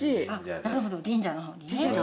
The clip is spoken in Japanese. なるほど神社の方にね。